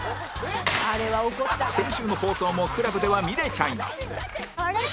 先週の放送も ＣＬＵＢ では見れちゃいます